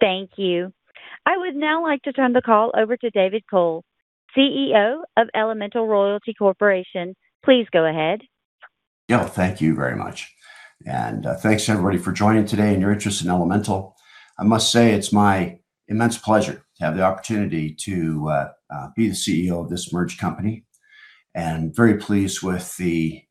Thank you. I would now like to turn the call over to David Cole, CEO of Elemental Royalty Corporation. Please go ahead. Thank you very much. Thanks everybody for joining today and your interest in Elemental. I must say it's my immense pleasure to have the opportunity to be the CEO of this merged company, and very pleased with the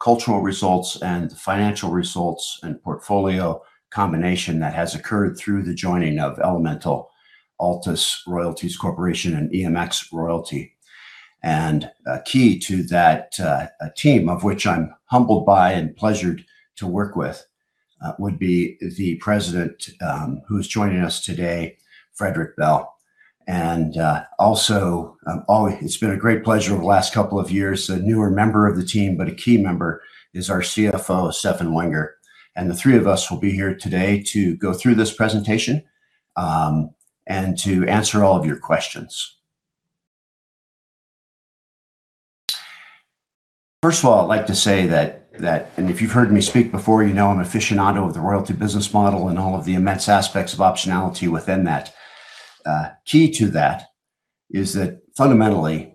cultural results and the financial results and portfolio combination that has occurred through the joining of Elemental, Altus Strategies plc, and EMX Royalty Corporation. Key to that team, of which I'm humbled by and pleasured to work with, would be President who's joining us today, Frederick Bell. Also, it's been a great pleasure over the last couple of years, a newer member of the team, but a key member is our CFO, Stefan Wenger. The three of us will be here today to go through this presentation and to answer all of your questions. First of all, I'd like to say that. And if you've heard me speak before, you know I'm aficionado of the royalty business model and all of the immense aspects of optionality within that. Key to that is that fundamentally,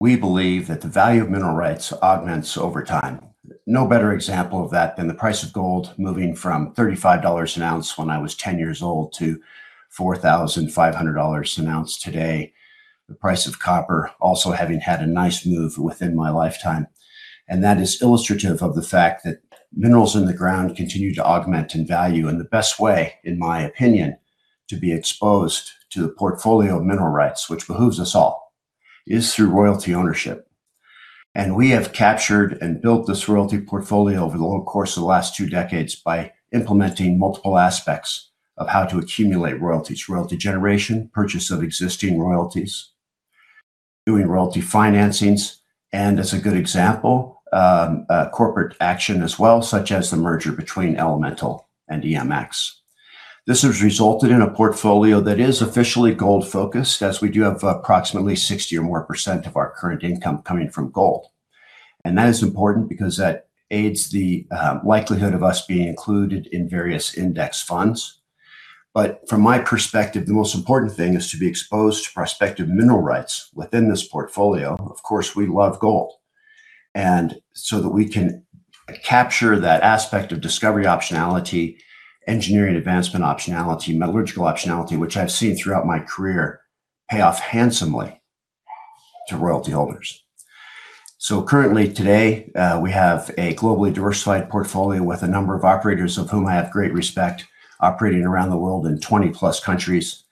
we believe that the value of mineral rights augments over time. No better example of that than the price of gold moving from $35 an ounce when I was 10 years old to $4,500 an ounce today. The price of copper also having had a nice move within my lifetime. That is illustrative of the fact that minerals in the ground continue to augment in value, and the best way, in my opinion, to be exposed to the portfolio of mineral rights, which behooves us all, is through royalty ownership. We have captured and built this royalty portfolio over the whole course of the last two decades by implementing multiple aspects of how to accumulate royalties, royalty generation, purchase of existing royalties, doing royalty financings, and as a good example, a corporate action as well, such as the merger between Elemental and EMX. This has resulted in a portfolio that is officially gold-focused, as we do have approximately 60% or more of our current income coming from gold. That is important because that aids the likelihood of us being included in various index funds. From my perspective, the most important thing is to be exposed to prospective mineral rights within this portfolio. Of course, we love gold, and so that we can capture that aspect of discovery optionality, engineering advancement optionality, metallurgical optionality, which I've seen throughout my career pay off handsomely to royalty holders. Currently today, we have a globally diversified portfolio with a number of operators of whom I have great respect operating around the world in 20+ countries.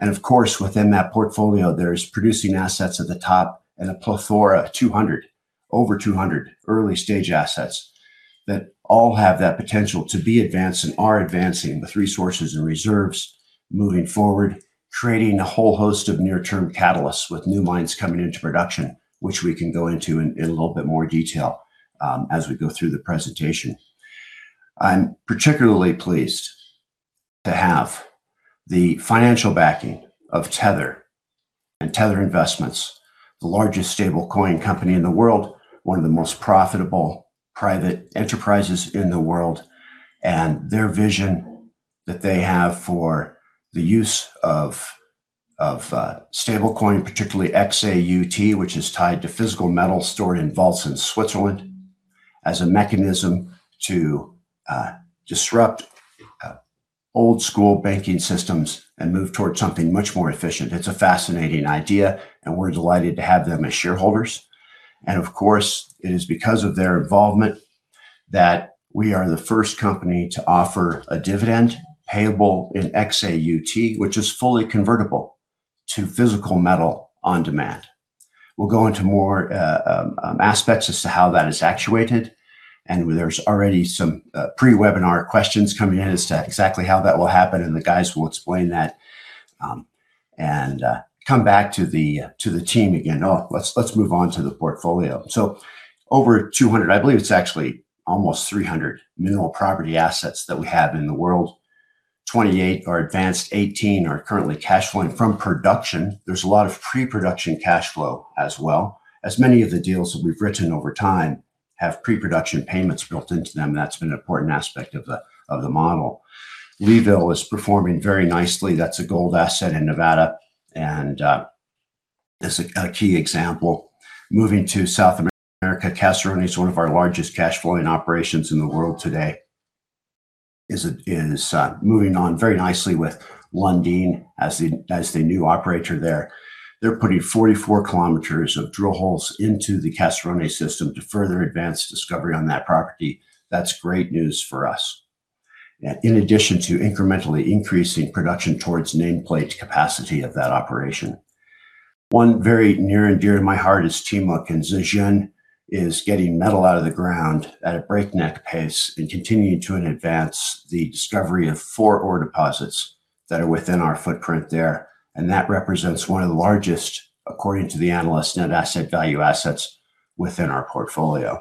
Of course, within that portfolio, there's producing assets at the top and a plethora of 200, over 200 early stage assets that all have that potential to be advanced and are advancing with resources and reserves moving forward, creating a whole host of near-term catalysts with new mines coming into production, which we can go into in a little bit more detail as we go through the presentation. I'm particularly pleased to have the financial backing of Tether and Tether Investments, the largest stablecoin company in the world, one of the most profitable private enterprises in the world, and their vision that they have for the use of stablecoin, particularly XAUT, which is tied to physical metal stored in vaults in Switzerland, as a mechanism to disrupt old school banking systems and move towards something much more efficient. It's a fascinating idea, and we're delighted to have them as shareholders. Of course, it is because of their involvement that we are the first company to offer a dividend payable in XAUT, which is fully convertible to physical metal on demand. We'll go into more aspects as to how that is actuated. There's already some pre-webinar questions coming in as to exactly how that will happen, and the guys will explain that, and come back to the team again. Oh, let's move on to the portfolio. Over 200, I believe it's actually almost 300 mineral property assets that we have in the world. 28 are advanced, 18 are currently cash flowing from production. There's a lot of pre-production cash flow as well, as many of the deals that we've written over time have pre-production payments built into them. That's been an important aspect of the model. Leeville is performing very nicely. That's a gold asset in Nevada, and is a key example. Moving to South America, Caserones, one of our largest cash flowing operations in the world today, is moving on very nicely with Lundin as the new operator there. They're putting 44 km of drill holes into the Caserones system to further advance discovery on that property. That's great news for us, in addition to incrementally increasing production towards nameplate capacity of that operation. One very near and dear to my heart is Timok, and Zijin is getting metal out of the ground at a breakneck pace and continuing to advance the discovery of four ore deposits that are within our footprint there. That represents one of the largest, according to the analyst, net asset value assets within our portfolio.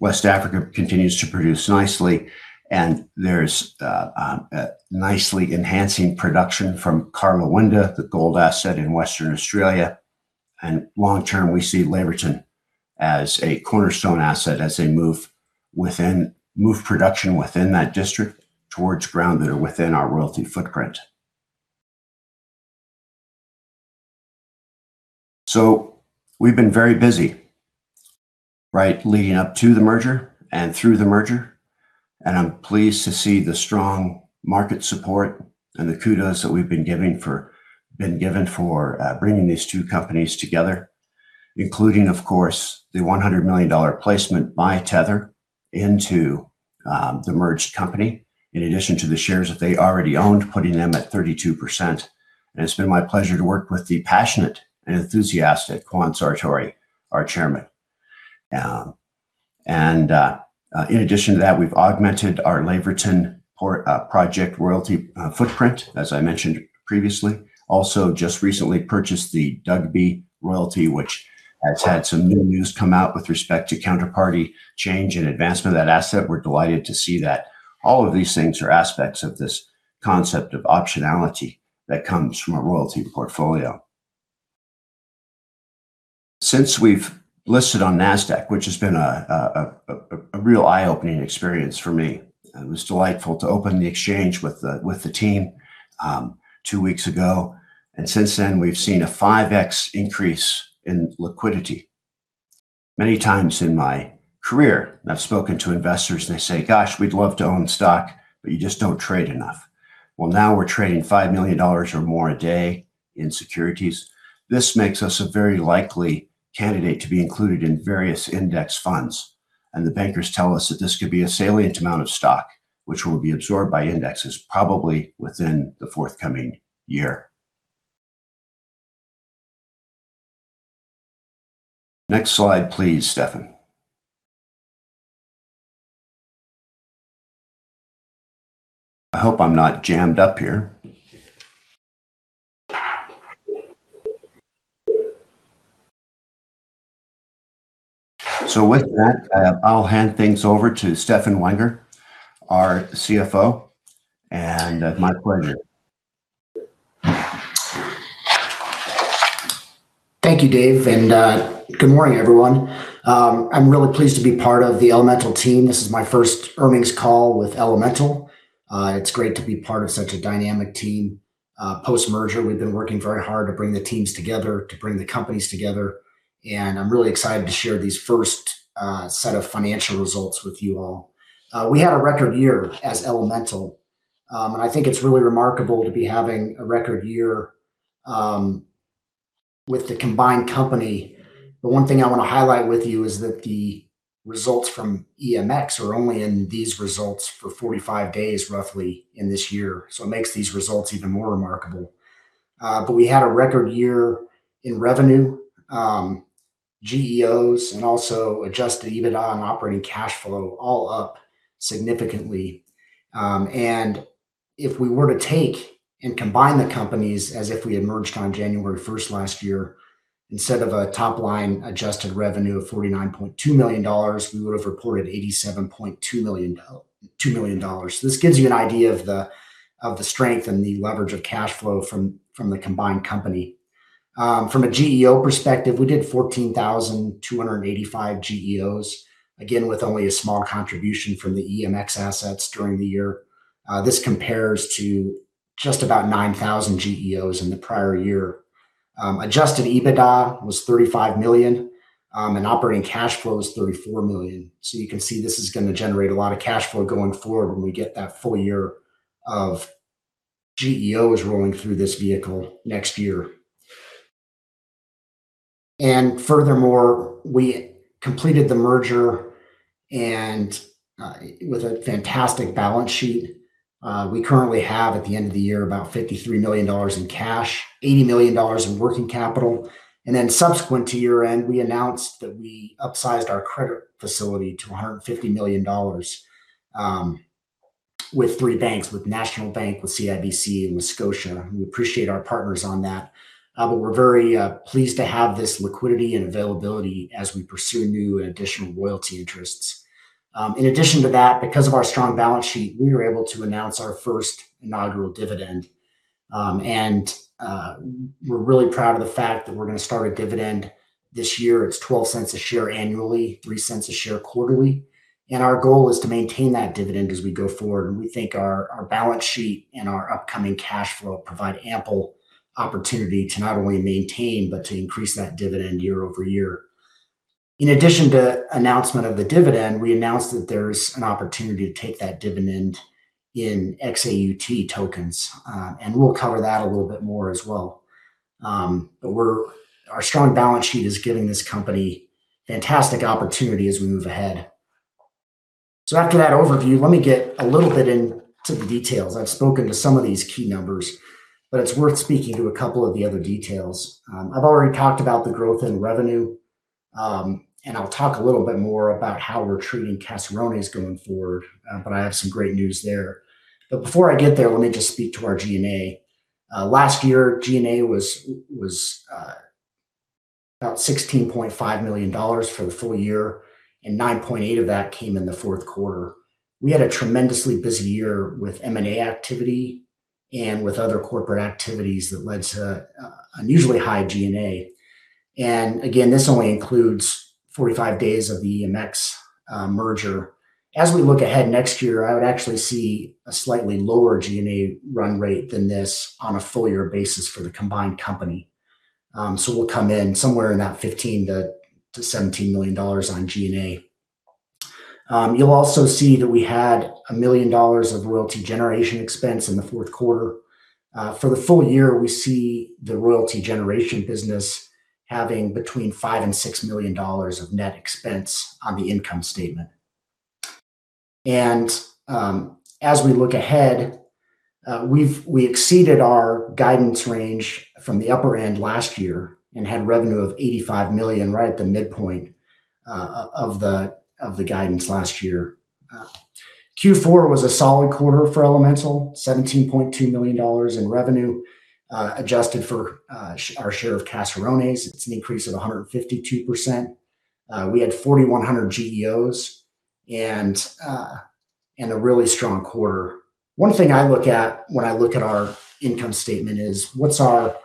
West Africa continues to produce nicely, and there's a nicely enhancing production from Karlawinda, the gold asset in Western Australia. Long term, we see Laverton as a cornerstone asset as they move production within that district towards ground that are within our royalty footprint. We've been very busy, right, leading up to the merger and through the merger, and I'm pleased to see the strong market support and the kudos that we've been given for bringing these two companies together, including of course, the $100 million placement by Tether into the merged company, in addition to the shares that they already owned, putting them at 32%. It's been my pleasure to work with the passionate and enthusiastic Juan Sartori, our chairman. In addition to that, we've augmented our Laverton project royalty footprint, as I mentioned previously, also just recently purchased the Dugbe royalty, which has had some new news come out with respect to counterparty change and advancement of that asset. We're delighted to see that all of these things are aspects of this concept of optionality that comes from a royalty portfolio. Since we've listed on Nasdaq, which has been a real eye-opening experience for me, it was delightful to open the exchange with the team two weeks ago. Since then, we've seen a 5x increase in liquidity. Many times in my career, I've spoken to investors, they say, Gosh, we'd love to own stock, but you just don't trade enough. Well, now we're trading $5 million or more a day in securities. This makes us a very likely candidate to be included in various index funds. The bankers tell us that this could be a salient amount of stock, which will be absorbed by indexes probably within the forthcoming year. Next slide, please, Stefan. I hope I'm not jammed up here. With that, I'll hand things over to Stefan Wenger, our CFO, and my pleasure. Thank you, Dave, and good morning, everyone. I'm really pleased to be part of the Elemental team. This is my first earnings call with Elemental. It's great to be part of such a dynamic team. Post-merger, we've been working very hard to bring the teams together, to bring the companies together, and I'm really excited to share these first set of financial results with you all. We had a record year as Elemental, and I think it's really remarkable to be having a record year with the combined company. One thing I wanna highlight with you is that the results from EMX are only in these results for 45 days, roughly in this year. It makes these results even more remarkable. We had a record year in revenue, GEOs, and also Adjusted EBITDA and operating cash flow all up significantly. If we were to take and combine the companies as if we had merged on January first last year, instead of a top line Adjusted revenue of $49.2 million, we would've reported $87.2 million. This gives you an idea of the strength and the leverage of cash flow from the combined company. From a GEO perspective, we did 14,285 GEOs, again with only a small contribution from the EMX assets during the year. This compares to just about 9,000 GEOs in the prior year. Adjusted EBITDA was $35 million, and operating cash flow is $34 million. You can see this is gonna generate a lot of cash flow going forward when we get that full year of GEOs rolling through this vehicle next year. Furthermore, we completed the merger and with a fantastic balance sheet. We currently have at the end of the year, about $53 million in cash, $80 million in working capital. Subsequent to year-end, we announced that we upsized our credit facility to 150 million dollars with three banks, with National Bank, with CIBC, and with Scotia. We appreciate our partners on that. We're very pleased to have this liquidity and availability as we pursue new and additional royalty interests. In addition to that, because of our strong balance sheet, we were able to announce our first inaugural dividend. We're really proud of the fact that we're gonna start a dividend this year. It's $0.12 a share annually, $0.03 a share quarterly. Our goal is to maintain that dividend as we go forward. We think our balance sheet and our upcoming cash flow provide ample opportunity to not only maintain, but to increase that dividend year-over-year. In addition to announcement of the dividend, we announced that there's an opportunity to take that dividend in XAUT tokens. We'll cover that a little bit more as well. Our strong balance sheet is giving this company fantastic opportunity as we move ahead. After that overview, let me get a little bit into the details. I've spoken to some of these key numbers, but it's worth speaking to a couple of the other details. I've already talked about the growth in revenue, and I'll talk a little bit more about how we're treating Caserones going forward. I have some great news there. Before I get there, let me just speak to our G&A. Last year, G&A was about $16.5 million for the full year, and $9.8 million of that came in the fourth quarter. We had a tremendously busy year with M&A activity and with other corporate activities that led to unusually high G&A. Again, this only includes 45 days of the EMX merger. As we look ahead next year, I would actually see a slightly lower G&A run rate than this on a full year basis for the combined company. We'll come in somewhere in that $15 million-$17 million on G&A. You'll also see that we had $1 million of royalty generation expense in the fourth quarter. For the full year, we see the royalty generation business having between $5 million and $6 million of net expense on the income statement. As we look ahead, we exceeded our guidance range from the upper end last year and had revenue of $85 million right at the midpoint of the guidance last year. Q4 was a solid quarter for Elemental. $17.2 million in revenue, adjusted for our share of Caserones. It's an increase of 152%. We had 4,100 GEOs and a really strong quarter. One thing I look at when I look at our income statement is what's our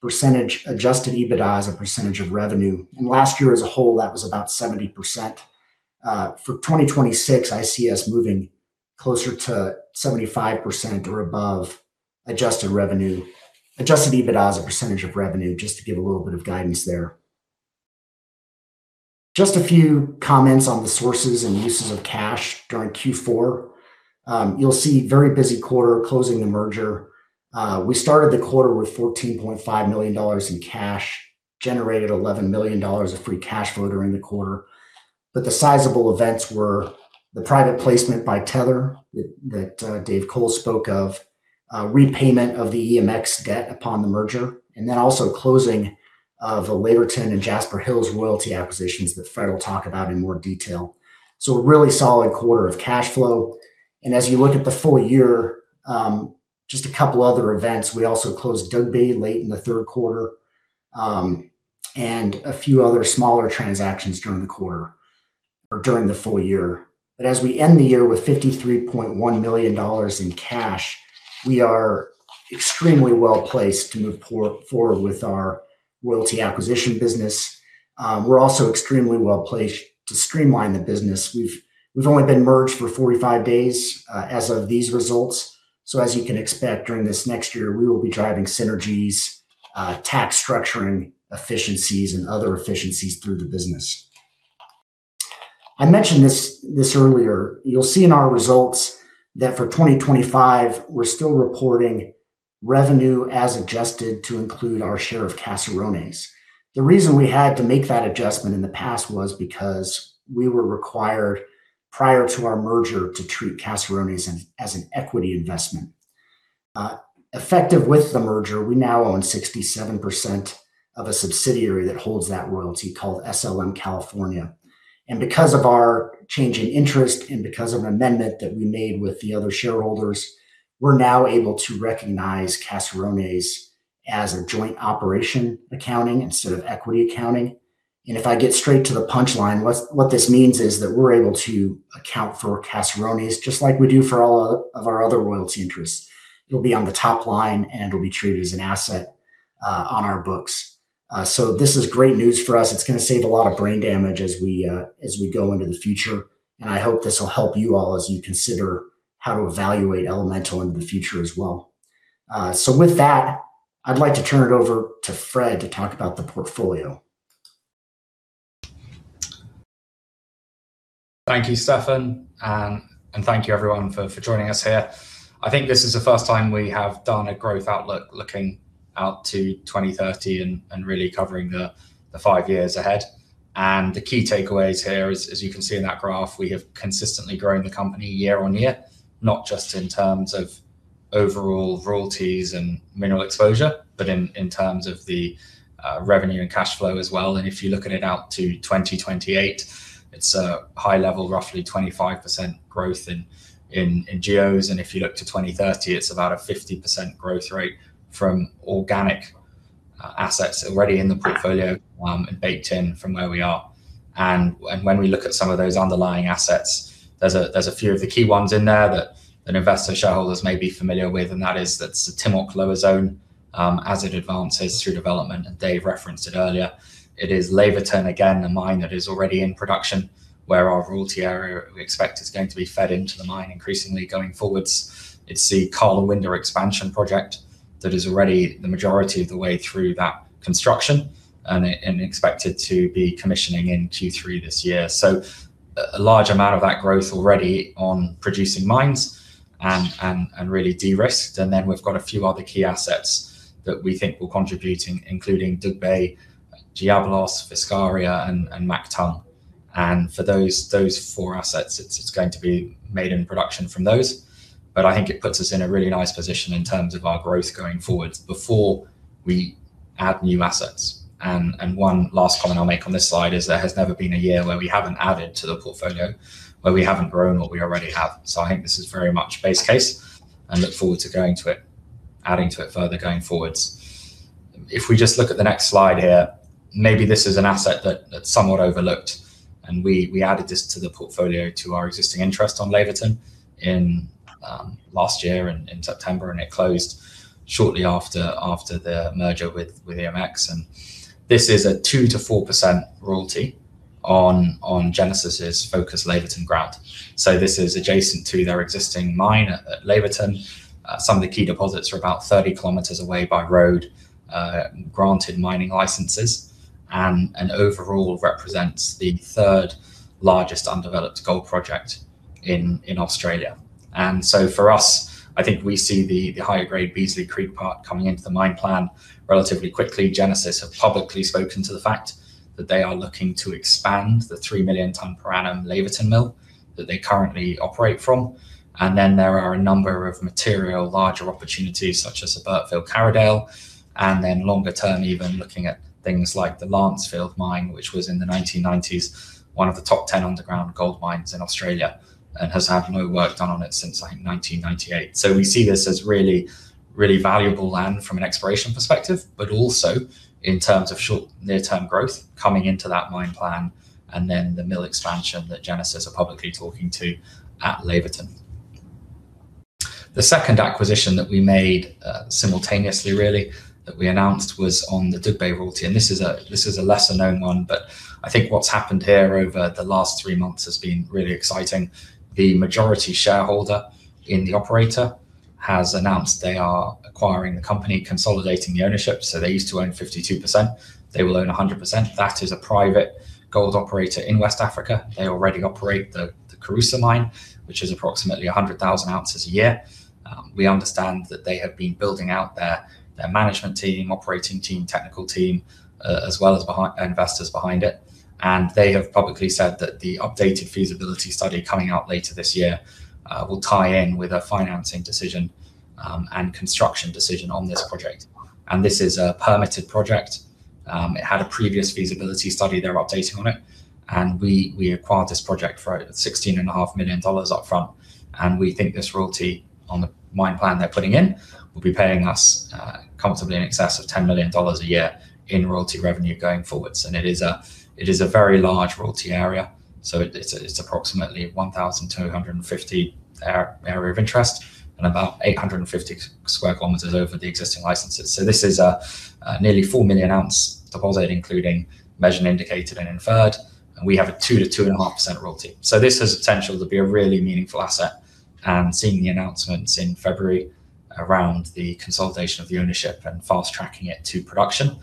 percentage Adjusted EBITDA as a percentage of revenue. Last year as a whole, that was about 70%. For 2026, I see us moving closer to 75% or above adjusted revenue. Adjusted EBITDA as a percentage of revenue, just to give a little bit of guidance there. Just a few comments on the sources and uses of cash during Q4. You'll see very busy quarter closing the merger. We started the quarter with $14.5 million in cash, generated $11 million of free cash flow during the quarter. The sizable events were the private placement by Tether that Dave Cole spoke of, repayment of the EMX debt upon the merger, and then also closing of the Laverton and Jasper Hills royalty acquisitions that Fred will talk about in more detail. A really solid quarter of cash flow. As you look at the full year, just a couple other events. We also closed Dugbe late in the third quarter, and a few other smaller transactions during the quarter or during the full year. As we end the year with $53.1 million in cash, we are extremely well-placed to move forward with our royalty acquisition business. We're also extremely well-placed to streamline the business. We've only been merged for 45 days, as of these results. As you can expect during this next year, we will be driving synergies, tax structuring efficiencies and other efficiencies through the business. I mentioned this earlier. You'll see in our results that for 2025, we're still reporting revenue as adjusted to include our share of Caserones. The reason we had to make that adjustment in the past was because we were required prior to our merger to treat Caserones as an equity investment. Effective with the merger, we now own 67% of a subsidiary that holds that royalty called SLM California. Because of our change in interest and because of an amendment that we made with the other shareholders, we're now able to recognize Caserones as a joint operation accounting instead of equity accounting. If I get straight to the punchline, what this means is that we're able to account for Caserones just like we do for all of our other royalty interests. It'll be on the top line, and it'll be treated as an asset on our books. This is great news for us. It's gonna save a lot of brain damage as we go into the future. I hope this will help you all as you consider how to evaluate Elemental into the future as well. With that, I'd like to turn it over to Fred to talk about the portfolio. Thank you, Stefan. Thank you everyone for joining us here. I think this is the first time we have done a growth outlook looking out to 2030 and really covering the five years ahead. The key takeaways here is, as you can see in that graph, we have consistently grown the company year-over-year, not just in terms of overall royalties and mineral exposure, but in terms of the revenue and cash flow as well. If you look at it out to 2028, it's a high level, roughly 25% growth in GEOs. If you look to 2030, it's about a 50% growth rate from organic assets already in the portfolio and baked in from where we are. When we look at some of those underlying assets, there's a few of the key ones in there that an investor shareholders may be familiar with, and that is that Timok Lower Zone, as it advances through development, and Dave referenced it earlier. It is Laverton again, the mine that is already in production, where our royalty area we expect is going to be fed into the mine increasingly going forwards. It's the Karlawinda expansion project that is already the majority of the way through that construction and expected to be commissioning in Q3 this year. A large amount of that growth already on producing mines and really de-risked. Then we've got a few other key assets that we think will contribute including Dugbe, Diablillos, Viscaria and Maktal. For those four assets, it's going to be brought into production from those. I think it puts us in a really nice position in terms of our growth going forward before we add new assets. One last comment I'll make on this slide is there has never been a year where we haven't added to the portfolio, where we haven't grown what we already have. I think this is very much base case. I look forward to adding to it further going forwards. If we just look at the next slide here, maybe this is an asset that's somewhat overlooked, and we added this to the portfolio to our existing interest on Laverton in last year in September, and it closed shortly after the merger with EMX. This is a 2%-4% royalty on Genesis Minerals' Focus Laverton grant. This is adjacent to their existing mine at Laverton. Some of the key deposits are about 30 km away by road, granted mining licenses, and overall represents the third largest undeveloped gold project in Australia. For us, I think we see the higher grade Beazley Creek part coming into the mine plan relatively quickly. Genesis Minerals have publicly spoken to the fact that they are looking to expand the 3 million tonne per annum Laverton mill that they currently operate from. Then there are a number of material larger opportunities such as at Burtville/Karridale, and longer-term, even looking at things like the Lancefield mine, which was in the 1990s, one of the top 10 underground gold mines in Australia and has had no work done on it since, I think, 1998. We see this as really, really valuable land from an exploration perspective, but also in terms of short near-term growth coming into that mine plan and the mill expansion that Genesis are publicly talking to at Laverton. The second acquisition that we made, simultaneously really, that we announced was on the Dugbe Royalty, and this is a lesser-known one, but I think what's happened here over the last three months has been really exciting. The majority shareholder in the operator has announced they are acquiring the company, consolidating the ownership. They used to own 52%. They will own 100%. That is a private gold operator in West Africa. They already operate the Kouroussa mine, which is approximately 100,000 ounces a year. We understand that they have been building out their management team, operating team, technical team, as well as investors behind it. They have publicly said that the updated feasibility study coming out later this year will tie in with a financing decision and construction decision on this project. This is a permitted project. It had a previous feasibility study. They're updating on it. We acquired this project for $16.5 million up front, and we think this royalty on the mine plan they're putting in will be paying us comfortably in excess of $10 million a year in royalty revenue going forward. It is a very large royalty area, so it's approximately 1,250 area of interest and about 850 sq km over the existing licenses. This is a nearly 4 million ounce deposit, including measured, indicated, and inferred, and we have a 2%-2.5% royalty. This has potential to be a really meaningful asset, and seeing the announcements in February around the consolidation of the ownership and fast-tracking it to production,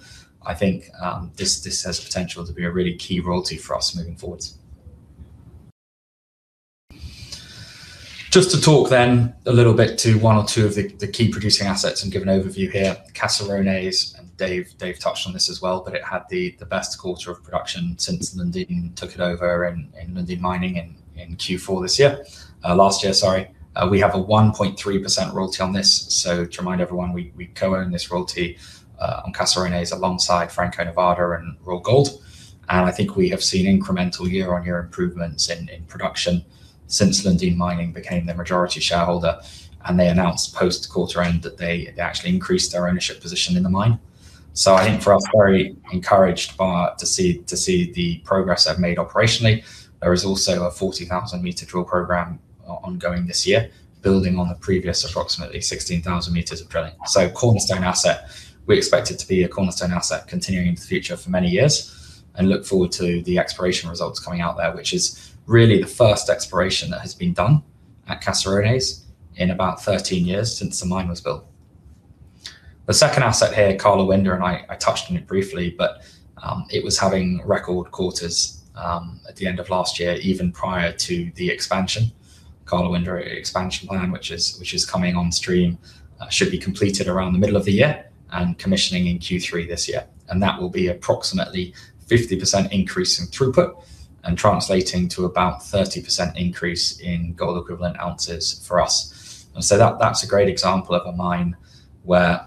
I think, this has potential to be a really key royalty for us moving forward. Just to talk then a little bit to one or two of the key producing assets and give an overview here. Caserones, and Dave touched on this as well, but it had the best quarter of production since Lundin took it over in Lundin Mining in Q4 last year. Sorry. We have a 1.3% royalty on this. To remind everyone, we co-own this royalty on Caserones alongside Franco-Nevada and Royal Gold. I think we have seen incremental year-over-year improvements in production since Lundin Mining became the majority shareholder, and they announced post quarter-end that they actually increased their ownership position in the mine. I think for us very encouraged to see the progress they've made operationally. There is also a 40,000 m drill program ongoing this year, building on the previous approximately 16,000 m of drilling. It is a cornerstone asset, we expect it to be a cornerstone asset continuing into the future for many years and look forward to the exploration results coming out there, which is really the first exploration that has been done at Caserones in about 13 years since the mine was built. The second asset here, Karlawinda, and I touched on it briefly, but it was having record quarters at the end of last year, even prior to the expansion. Karlawinda expansion plan, which is coming on stream, should be completed around the middle of the year and commissioning in Q3 this year. That will be approximately 50% increase in throughput and translating to about 30% increase in gold equivalent ounces for us. That's a great example of a mine where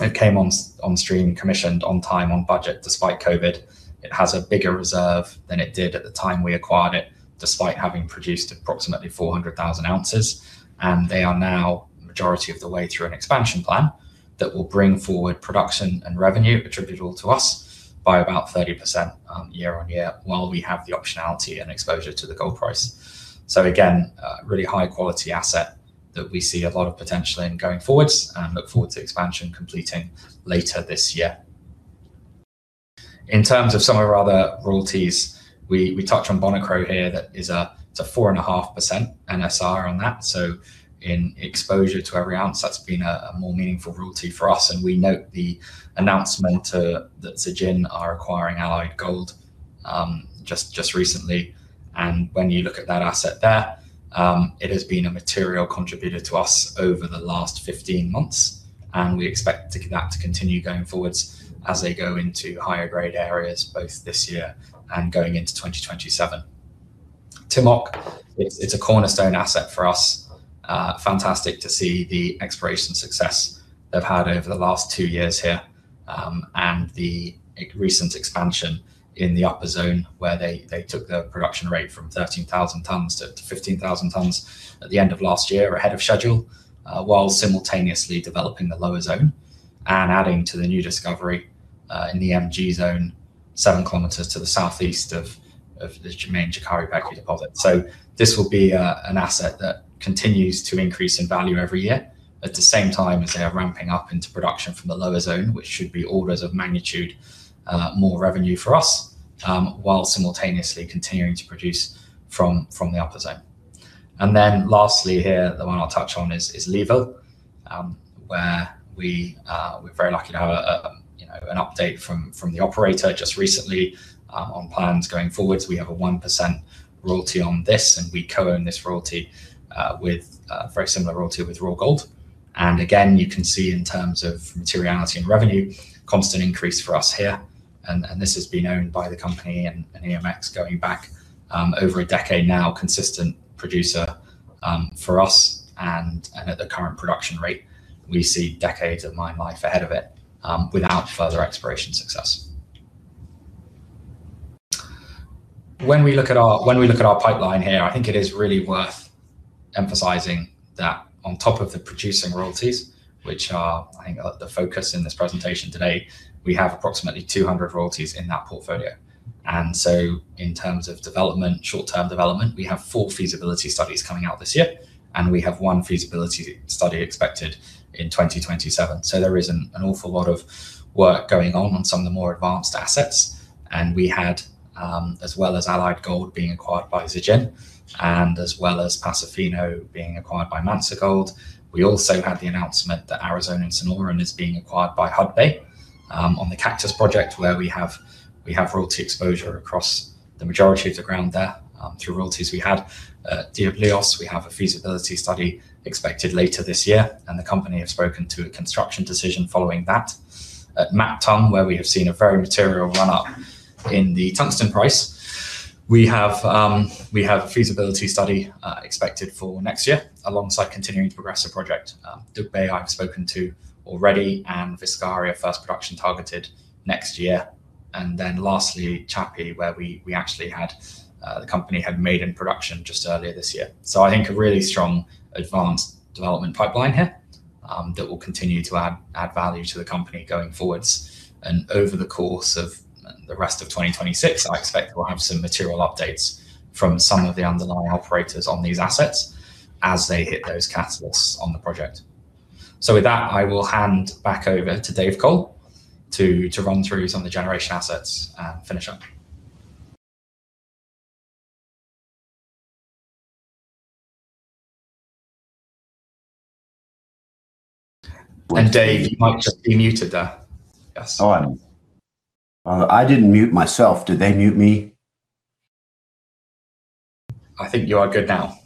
it came on stream, commissioned on time, on budget, despite COVID. It has a bigger reserve than it did at the time we acquired it, despite having produced approximately 400,000 ounces. They are now majority of the way through an expansion plan that will bring forward production and revenue attributable to us by about 30%, year-on-year, while we have the optionality and exposure to the gold price. Again, a really high quality asset that we see a lot of potential in going forward and look forward to expansion completing later this year. In terms of some of our other royalties, we touched on Bonikro here that is, it's a 4.5% NSR on that. Exposure to every ounce, that's been a more meaningful royalty for us, and we note the announcement that Zijin are acquiring Allied Gold just recently. When you look at that asset there, it has been a material contributor to us over the last 15 months, and we expect that to continue going forward as they go into higher grade areas both this year and going into 2027. Timok, it's a cornerstone asset for us. Fantastic to see the exploration success they've had over the last two years here, and the recent expansion in the Upper Zone where they took the production rate from 13,000 tons-15,000 tons at the end of last year ahead of schedule, while simultaneously developing the Lower Zone and adding to the new discovery in the MG Zone 7 km to the southeast of the main Čukaru Peki deposit. This will be an asset that continues to increase in value every year at the same time as they are ramping up into production from the lower zone, which should be orders of magnitude more revenue for us, while simultaneously continuing to produce from the upper zone. Lastly here, the one I'll touch on is Laverton, where we are very lucky to have a you know an update from the operator just recently on plans going forward. We have a 1% royalty on this, and we co-own this royalty with very similar royalty with Royal Gold. Again, you can see in terms of materiality and revenue, constant increase for us here, and this has been owned by the company and EMX going back over a decade now, consistent producer for us. At the current production rate, we see decades of mine life ahead of it without further exploration success. When we look at our pipeline here, I think it is really worth emphasizing that on top of the producing royalties, which I think are the focus in this presentation today, we have approximately 200 royalties in that portfolio. In terms of development, short-term development, we have 4 feasibility studies coming out this year, and we have one feasibility study expected in 2027. There is an awful lot of work going on some of the more advanced assets. We had as well as Allied Gold being acquired by Zijin and as well as Pasofino Gold being acquired by Mansa Resources. We also had the announcement that Arizona Sonoran is being acquired by Hudbay on the Cactus project where we have royalty exposure across the majority of the ground there through royalties we had. At Diablillos, we have a feasibility study expected later this year, and the company have spoken to a construction decision following that. At Mactung, where we have seen a very material run-up in the tungsten price, we have feasibility study expected for next year alongside continuing to progress the project. Dugbe I've spoken to already, and Viscaria first production targeted next year. Then lastly, Chapi, where the company actually had made it into production just earlier this year. I think a really strong advanced development pipeline here that will continue to add value to the company going forwards. Over the course of the rest of 2026, I expect we'll have some material updates from some of the underlying operators on these assets as they hit those catalysts on the project. With that, I will hand back over to Dave Cole to run through some of the generation assets and finish up. Dave, you might just be muted there. Yes. Oh, I didn't mute myself. Did they mute me? I think you are good now.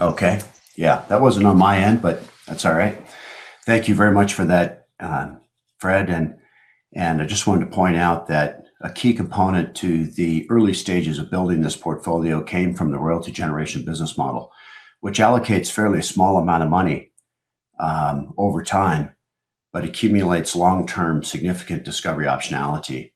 Okay. Yeah. That wasn't on my end, but that's all right. Thank you very much for that, Fred. I just wanted to point out that a key component to the early stages of building this portfolio came from the royalty generation business model, which allocates fairly a small amount of money over time, but accumulates long-term significant discovery optionality.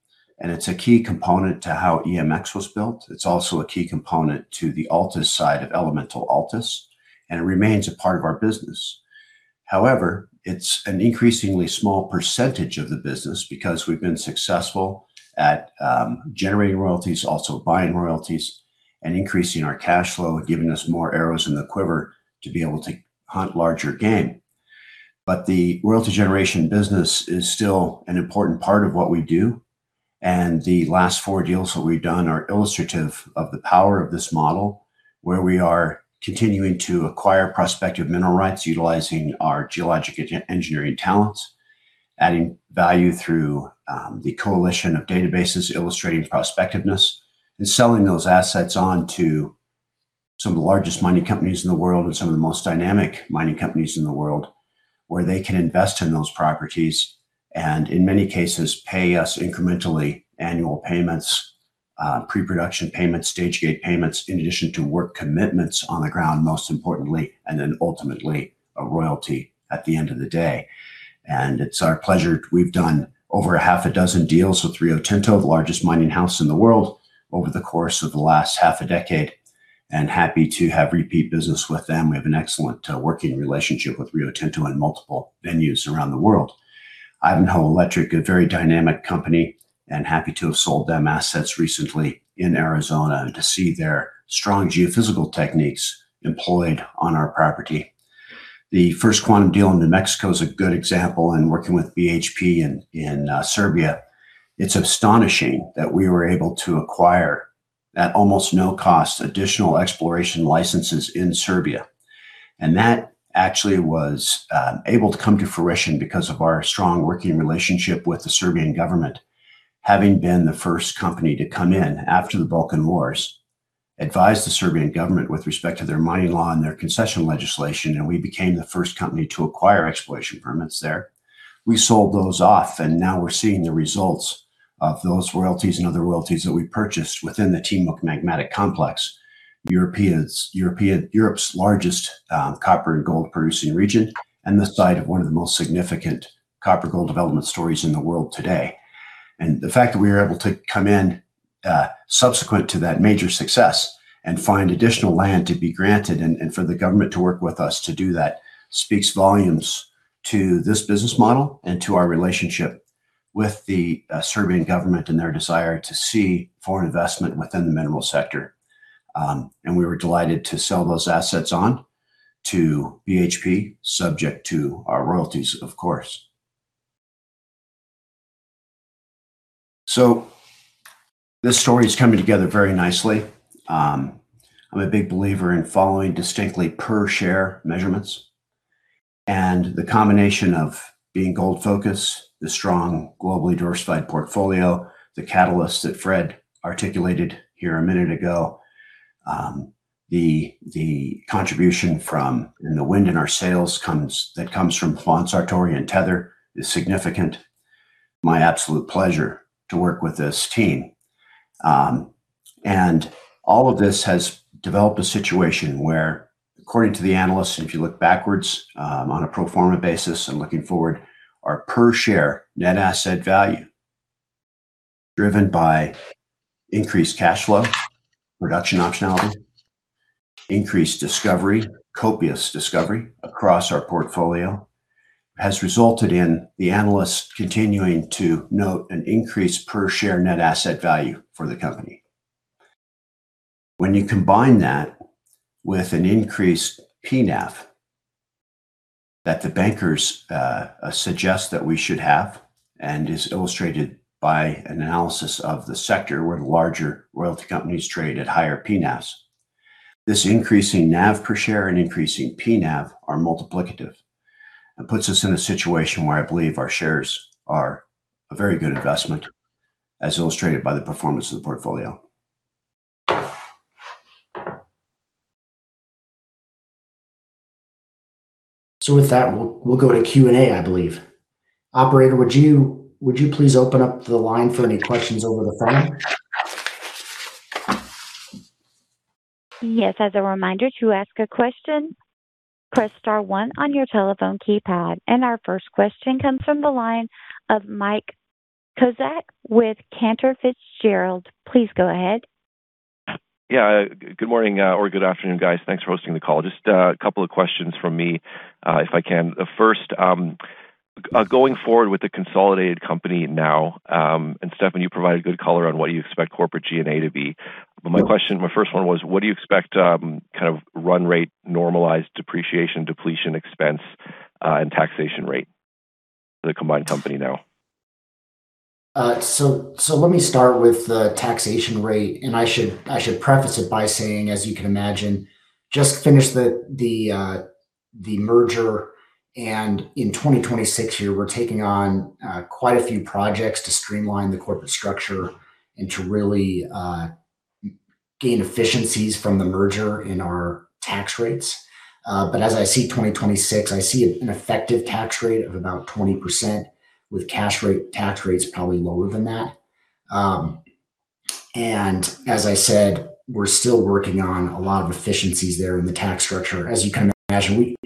It's a key component to how EMX was built. It's also a key component to the Altus side of Elemental Altus, and it remains a part of our business. However, it's an increasingly small percentage of the business because we've been successful at generating royalties, also buying royalties, and increasing our cash flow, giving us more arrows in the quiver to be able to hunt larger game. The royalty generation business is still an important part of what we do, and the last four deals that we've done are illustrative of the power of this model, where we are continuing to acquire prospective mineral rights utilizing our geologic engineering talents, adding value through the coalition of databases illustrating prospectiveness, and selling those assets on to some of the largest mining companies in the world and some of the most dynamic mining companies in the world, where they can invest in those properties and, in many cases, pay us incrementally annual payments, pre-production payments, stage-gate payments, in addition to work commitments on the ground, most importantly, and then ultimately a royalty at the end of the day. It's our pleasure. We've done over a half a dozen deals with Rio Tinto, the largest mining house in the world, over the course of the last half a decade, and happy to have repeat business with them. We have an excellent working relationship with Rio Tinto in multiple venues around the world. Ivanhoe Electric, a very dynamic company, and happy to have sold them assets recently in Arizona and to see their strong geophysical techniques employed on our property. The First Quantum deal in New Mexico is a good example, and working with BHP in Serbia, it's astonishing that we were able to acquire at almost no cost additional exploration licenses in Serbia. That actually was able to come to fruition because of our strong working relationship with the Serbian government. Having been the first company to come in after the Balkan Wars, we advised the Serbian government with respect to their mining law and their concession legislation, and we became the first company to acquire exploration permits there. We sold those off, and now we're seeing the results of those royalties and other royalties that we purchased within the Timok Magmatic Complex. Europe's largest copper and gold producing region, and the site of one of the most significant copper gold development stories in the world today. The fact that we are able to come in subsequent to that major success and find additional land to be granted and for the government to work with us to do that speaks volumes to this business model and to our relationship with the Serbian government and their desire to see foreign investment within the mineral sector. We were delighted to sell those assets on to BHP, subject to our royalties of course. This story is coming together very nicely. I'm a big believer in following distinctly per share measurements and the combination of being gold-focused, the strong globally diversified portfolio, the catalyst that Fred articulated here a minute ago. The contribution from and the wind in our sails comes from Juan Sartori and Tether is significant. It's my absolute pleasure to work with this team. All of this has developed a situation where according to the analysts, and if you look backwards, on a pro forma basis and looking forward, our per share net asset value driven by increased cash flow, production optionality, increased discovery, copious discovery across our portfolio, has resulted in the analysts continuing to note an increase per share net asset value for the company. When you combine that with an increased P/NAV that the bankers suggest that we should have, and is illustrated by analysis of the sector where the larger royalty companies trade at higher P/NAVs. This increasing NAV per share and increasing PNAV are multiplicative and puts us in a situation where I believe our shares are a very good investment as illustrated by the performance of the portfolio. With that, we'll go to Q&A, I believe. Operator, would you please open up the line for any questions over the phone? Yes. As a reminder, to ask a question, press star one on your telephone keypad. Our first question comes from the line of Mike Kozak with Cantor Fitzgerald. Please go ahead. Yeah, good morning, or good afternoon guys. Thanks for hosting the call. Just a couple of questions from me, if I can. The first, going forward with the consolidated company now, and Stefan you provided good color on what you expect corporate G&A to be. My question, my first one was, what do you expect, kind of run rate normalized depreciation, depletion expense, and taxation rate for the combined company now? Let me start with the taxation rate, and I should preface it by saying, as you can imagine, just finished the merger and in 2026 here we're taking on quite a few projects to streamline the corporate structure and to really gain efficiencies from the merger in our tax rates. I see 2026, I see an effective tax rate of about 20% with cash tax rate probably lower than that. As I said, we're still working on a lot of efficiencies there in the tax structure. As you can imagine,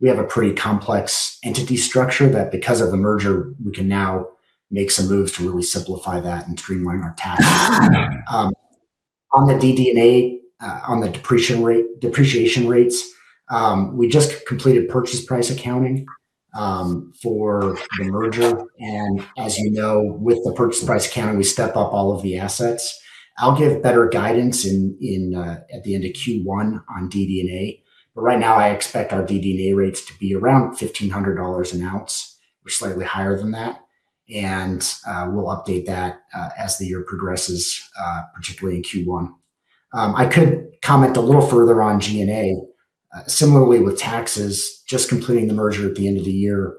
we have a pretty complex entity structure that because of the merger, we can now make some moves to really simplify that and streamline our tax. On the DD&A, on the depreciation rates, we just completed purchase price accounting for the merger. As you know, with the purchase price accounting, we step up all of the assets. I'll give better guidance in at the end of Q1 on DD&A, but right now I expect our DD&A rates to be around $1,500 an ounce or slightly higher than that. We'll update that as the year progresses, particularly in Q1. I could comment a little further on G&A. Similarly with taxes, just completing the merger at the end of the year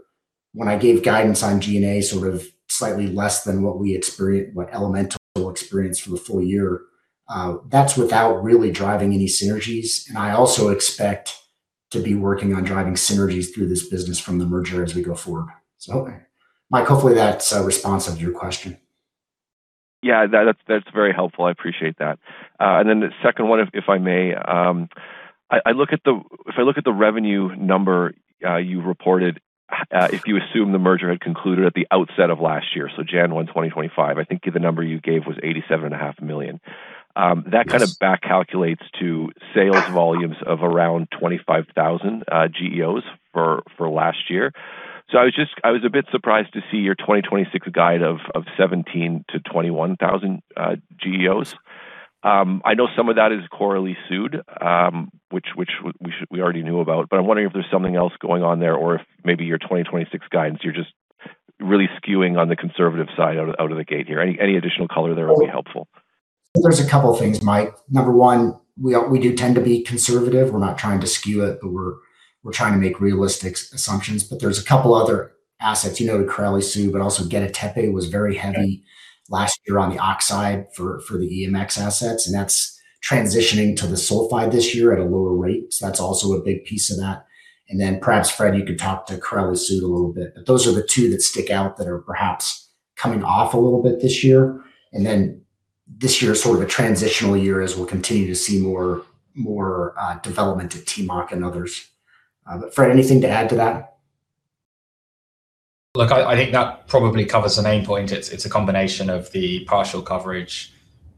when I gave guidance on G&A, sort of slightly less than what we experienced, what Elemental experienced for the full year, that's without really driving any synergies, and I also expect to be working on driving synergies through this business from the merger as we go forward. Mike, hopefully that's a response to your question. Yeah, that's very helpful. I appreciate that. And then the second one, if I may, I look at the revenue number you reported, if you assume the merger had concluded at the outset of last year, so January 1st, 2025, I think the number you gave was $87.5 million. That kind of back calculates to sales volumes of around 25,000 GEOs for last year. I was a bit surprised to see your 2026 guide of 17,000-21,000 GEOs. I know some of that is Korali-Sud, which we already knew about, but I'm wondering if there's something else going on there or if maybe your 2026 guidance, you're just really skewing on the conservative side out of the gate here. Any additional color there would be helpful. There's a couple things, Mike. Number one, we do tend to be conservative. We're not trying to skew it, but we're trying to make realistic assumptions. There's a couple other assets, you know, Korali-Sud, but also Gediktepe was very heavy last year on the oxide for the EMX assets, and that's transitioning to the sulfide this year at a lower rate. That's also a big piece of that. Perhaps Fred, you could talk to Korali-Sud a little bit, but those are the two that stick out that are perhaps coming off a little bit this year, and then this year is sort of a transitional year as we'll continue to see more development at Timok and others. Fred, anything to add to that? Look, I think that probably covers the main point. It's a combination of the partial coverage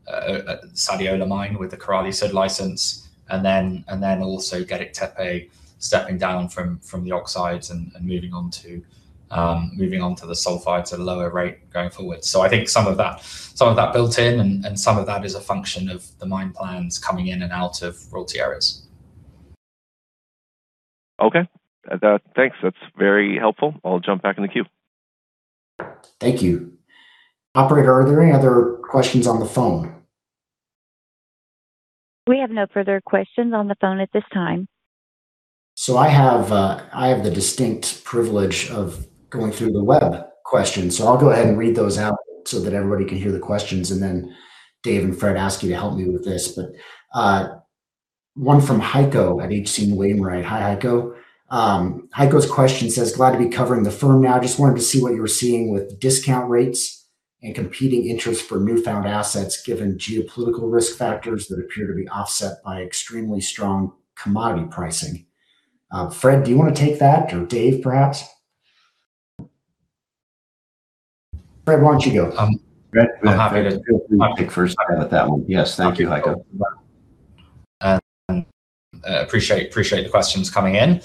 at the Sadiola mine with the Korali-Sud license, and then also Gediktepe stepping down from the oxides and moving on to the sulfides at a lower rate going forward. I think some of that built in and some of that is a function of the mine plans coming in and out of royalty areas. Okay. Thanks, that's very helpful. I'll jump back in the queue. Thank you. Operator, are there any other questions on the phone? We have no further questions on the phone at this time. I have the distinct privilege of going through the web questions. I'll go ahead and read those out so that everybody can hear the questions, and then Dave and Fred, I ask you to help me with this. One from Heiko at H.C. Wainwright. Hi, Heiko. Heiko's question says, Glad to be covering the firm now. Just wanted to see what you were seeing with discount rates and competing interests for newfound assets given geopolitical risk factors that appear to be offset by extremely strong commodity pricing." Fred, do you wanna take that or Dave perhaps? Fred, why don't you go. Fred, I'm happy to pick first have at that one. Yes, thank you, Heiko. Appreciate the questions coming in.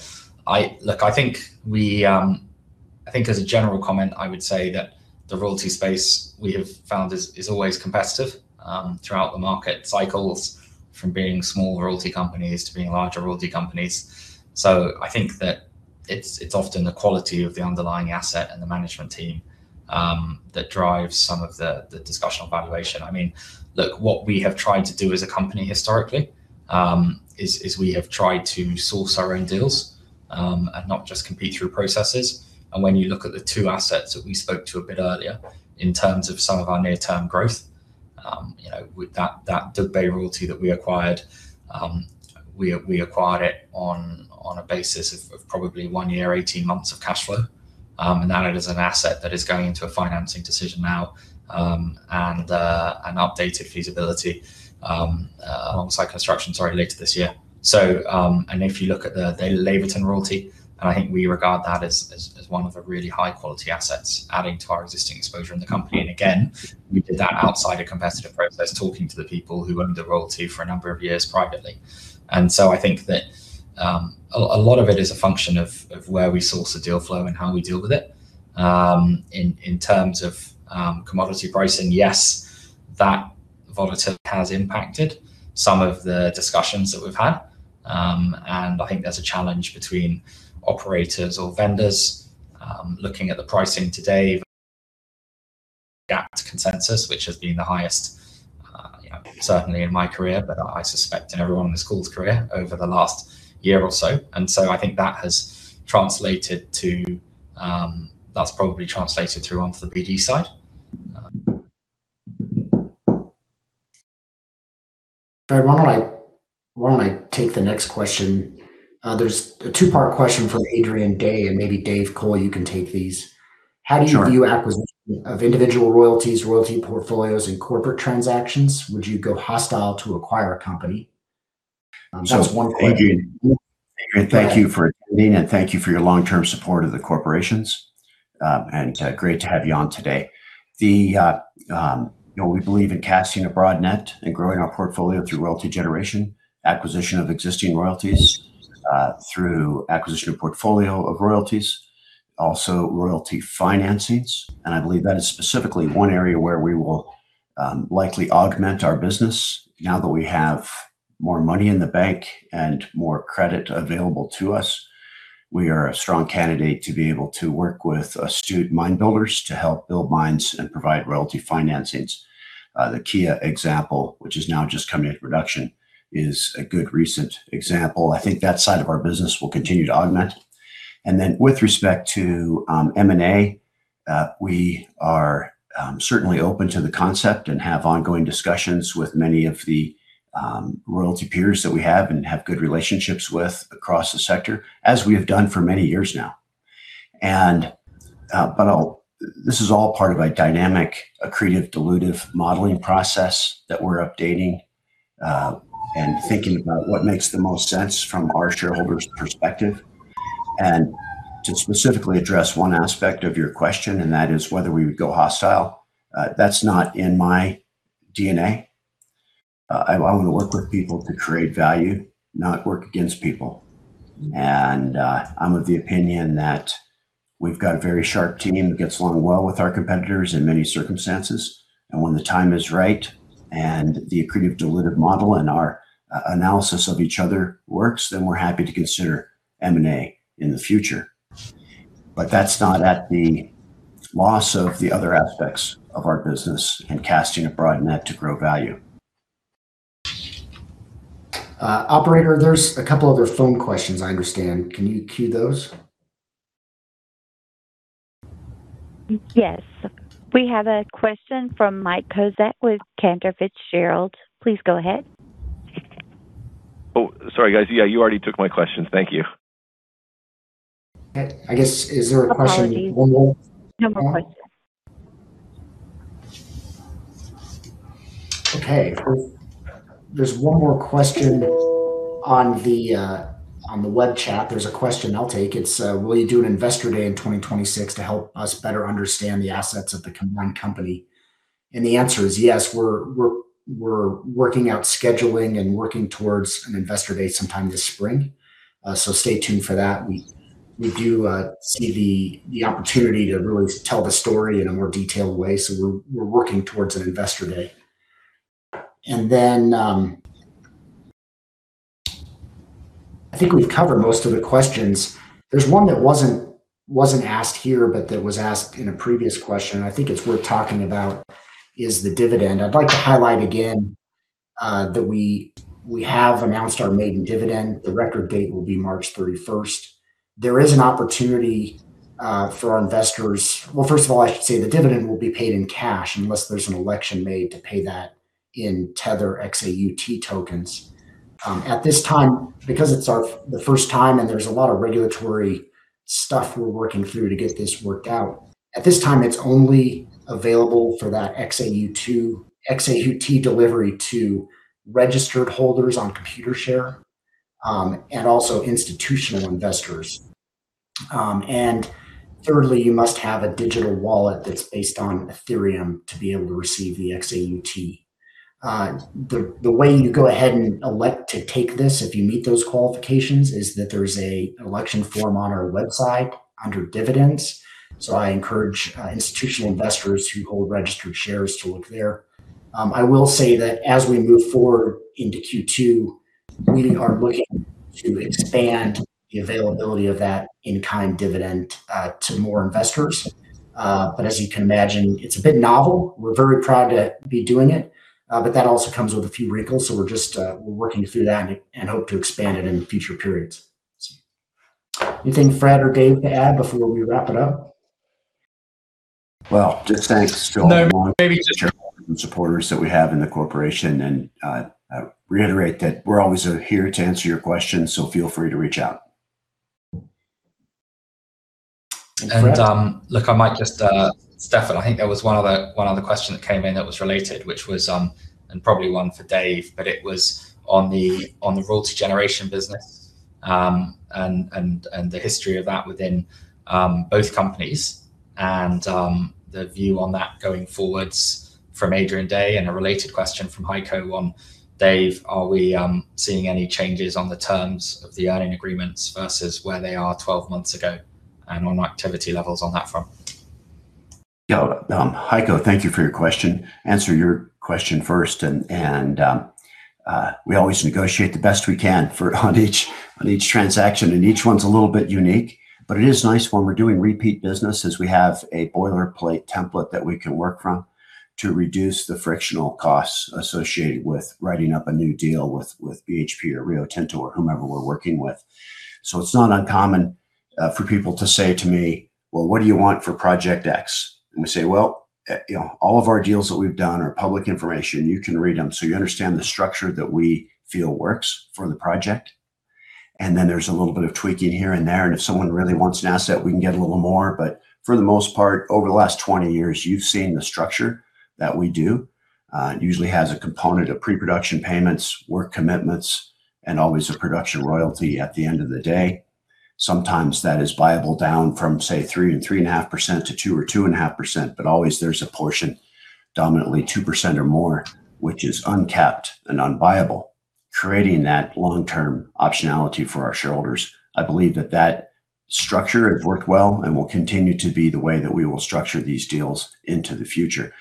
Look, I think as a general comment, I would say that the royalty space we have found is always competitive throughout the market cycles from being small royalty companies to being larger royalty companies. I think that it's often the quality of the underlying asset and the management team that drives some of the discussion on valuation. I mean, look, what we have tried to do as a company historically is we have tried to source our own deals and not just compete through processes. When you look at the two assets that we spoke to a bit earlier, in terms of some of our near-term growth, you know, with that Dugbe royalty that we acquired, we acquired it on a basis of probably one year, 18 months of cash flow. That is an asset that is going into a financing decision now, and an updated feasibility alongside construction, sorry, later this year. If you look at the Laverton royalty, and I think we regard that as one of the really high quality assets adding to our existing exposure in the company. Again, we did that outside a competitive process, talking to the people who owned the royalty for a number of years privately. I think that a lot of it is a function of where we source the deal flow and how we deal with it. In terms of commodity pricing, yes, that volatility has impacted some of the discussions that we've had. I think there's a challenge between operators or vendors looking at the pricing today versus the gap to consensus, which has been the highest, you know, certainly in my career, but I suspect in everyone on this call's career over the last year or so. I think that has translated to, that's probably translated through onto the BD side. Fred, why don't I take the next question? There's a two-part question from Adrian Day, and maybe Dave Cole, you can take these. Sure. How do you view acquisition of individual royalties, royalty portfolios, and corporate transactions? Would you go hostile to acquire a company? That's one part. Adrian, thank you for attending, and thank you for your long-term support of the corporations, and great to have you on today. You know, we believe in casting a broad net and growing our portfolio through royalty generation, acquisition of existing royalties, through acquisition of portfolio of royalties, also royalty financings. I believe that is specifically one area where we will likely augment our business now that we have more money in the bank and more credit available to us. We are a strong candidate to be able to work with astute mine builders to help build mines and provide royalty financings. The Kea example, which is now just coming into production, is a good recent example. I think that side of our business will continue to augment. With respect to M&A, we are certainly open to the concept and have ongoing discussions with many of the royalty peers that we have and have good relationships with across the sector, as we have done for many years now. This is all part of a dynamic, accretive, dilutive modeling process that we're updating, and thinking about what makes the most sense from our shareholders' perspective. To specifically address one aspect of your question, and that is whether we would go hostile, that's not in my DNA. I wanna work with people to create value, not work against people. I'm of the opinion that we've got a very sharp team that gets along well with our competitors in many circumstances. When the time is right and the accretive dilutive model and our analysis of each other works, then we're happy to consider M&A in the future. That's not at the loss of the other aspects of our business and casting a broad net to grow value. Operator, there's a couple other phone questions, I understand. Can you queue those? Yes. We have a question from Mike Kozak with Cantor Fitzgerald. Please go ahead. Oh, sorry guys. Yeah, you already took my questions. Thank you. I guess, is there a question? Apologies. No more questions. Okay. There's one more question on the web chat. There's a question I'll take. It's will you do an investor day in 2026 to help us better understand the assets of the combined company? The answer is yes. We're working out scheduling and working towards an investor day sometime this spring. Stay tuned for that. We do see the opportunity to really tell the story in a more detailed way. We're working towards an investor day. I think we've covered most of the questions. There's one that wasn't asked here, but that was asked in a previous question, and I think it's worth talking about, is the dividend. I'd like to highlight again that we have announced our maiden dividend. The record date will be March 31st. There is an opportunity for our investors. Well, first of all, I should say the dividend will be paid in cash unless there's an election made to pay that in Tether XAUT tokens. At this time, because it's the first time and there's a lot of regulatory stuff we're working through to get this worked out. At this time, it's only available for that XAUT delivery to registered holders on Computershare, and also institutional investors. And thirdly, you must have a digital wallet that's based on Ethereum to be able to receive the XAUT. The way you go ahead and elect to take this, if you meet those qualifications, is that there's an election form on our website under dividends. I encourage institutional investors who hold registered shares to look there. I will say that as we move forward into Q2, we are looking to expand the availability of that in-kind dividend to more investors. As you can imagine, it's a bit novel. We're very proud to be doing it, but that also comes with a few wrinkles, so we're just working through that and hope to expand it in future periods. Anything Fred or Dave to add before we wrap it up? Well, just thanks to all the supporters that we have in the corporation, and reiterate that we're always here to answer your questions, so feel free to reach out. Fred? Look, I might just Stefan, I think there was one other question that came in that was related, which was, and probably one for Dave, but it was on the royalty generation business, and the history of that within both companies, and the view on that going forwards from Adrian Day. A related question from Heiko on Dave, are we seeing any changes on the terms of the earn-in agreements versus where they are 12 months ago, and on activity levels on that front? Yeah. Heiko, thank you for your question. To answer your question first, and we always negotiate the best we can for on each transaction, and each one's a little bit unique. It is nice when we're doing repeat business, as we have a boilerplate template that we can work from to reduce the frictional costs associated with writing up a new deal with BHP or Rio Tinto or whomever we're working with. It's not uncommon for people to say to me, well, what do you want for project X? We say, well, you know, all of our deals that we've done are public information. You can read them, so you understand the structure that we feel works for the project. Then there's a little bit of tweaking here and there, and if someone really wants an asset, we can get a little more. For the most part, over the last 20 years, you've seen the structure that we do. It usually has a component of pre-production payments, work commitments, and always a production royalty at the end of the day. Sometimes that is buyable down from, say, 3%-3.5% to 2%-2.5%, but always there's a portion, dominantly 2% or more, which is uncapped and unbuyable, creating that long-term optionality for our shareholders. I believe that structure, it worked well and will continue to be the way that we will structure these deals into the future.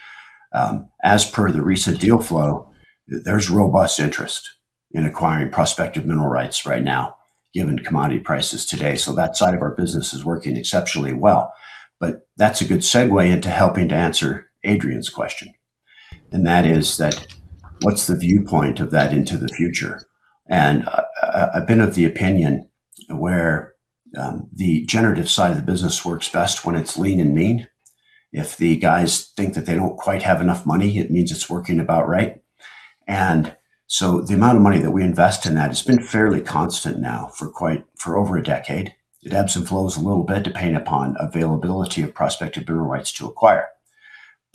As per the recent deal flow, there's robust interest in acquiring prospective mineral rights right now, given commodity prices today. That side of our business is working exceptionally well. That's a good segue into helping to answer Adrian's question. That is that, what's the viewpoint of that into the future? I've been of the opinion where the generative side of the business works best when it's lean and mean. If the guys think that they don't quite have enough money, it means it's working about right. The amount of money that we invest in that has been fairly constant now for over a decade. It ebbs and flows a little bit depending upon availability of prospective mineral rights to acquire.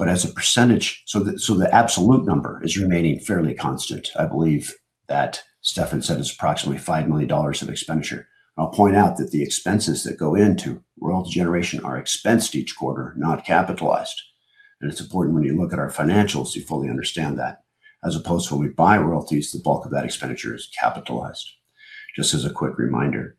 As a percentage, the absolute number is remaining fairly constant. I believe that Stefan said it's approximately $5 million of expenditure. I'll point out that the expenses that go into royalty generation are expensed each quarter, not capitalized. It's important when you look at our financials, you fully understand that. As opposed to when we buy royalties, the bulk of that expenditure is capitalized. Just as a quick reminder.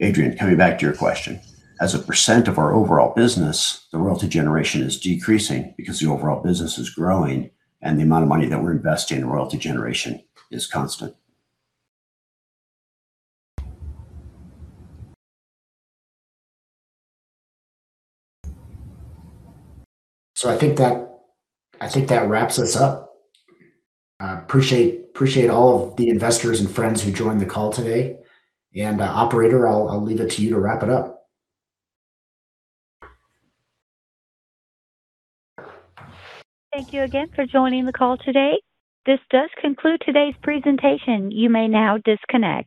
Adrian, coming back to your question, as a percent of our overall business, the royalty generation is decreasing because the overall business is growing, and the amount of money that we're investing in royalty generation is constant. I think that wraps us up. I appreciate all of the investors and friends who joined the call today. Operator, I'll leave it to you to wrap it up. Thank you again for joining the call today. This does conclude today's presentation. You may now disconnect.